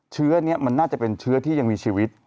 เชื้อนี้มันน่าจะเป็นเชื้อที่ยังมีชีวิต